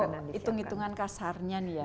jadi kalau hitung hitungan kasarnya nih ya